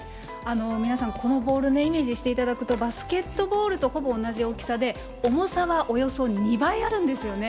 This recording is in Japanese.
皆さん、このボールイメージしていただくとバスケットボールとほぼ同じ大きさで重さはおよそ２倍あるんですよね。